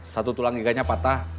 satu tulang giganya patah